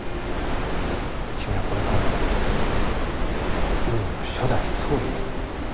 君はこれからもウーアの初代総理です。